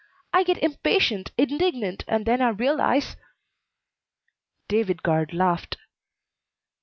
I get impatient, indignant, and then I realize " David Guard laughed.